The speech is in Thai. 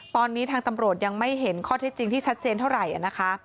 ตอนนี้ทางตำรวจยังไม่เห็นข้อเท็จจริงที่ชัดเจนเท่าไหร่นะคะ